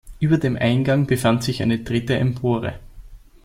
Über dem Eingang befand sich eine dritte Empore.